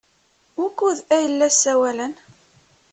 Wukud ay la ssawalen?